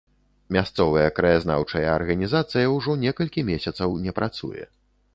Мясцовая краязнаўчая арганізацыя ўжо некалькі месяцаў не працуе.